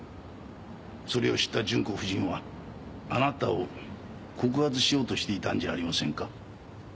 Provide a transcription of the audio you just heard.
それを知った純子夫人はあなたを告発しようとしていたんじゃありませんか？